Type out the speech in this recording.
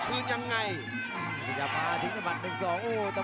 ลงจนได้ครับดื้อจริงครับ